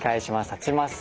立ちます。